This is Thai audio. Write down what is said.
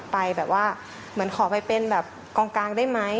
ไปแบบว่าเหมือนขอไปเป็นแบบกองกลางได้ไหม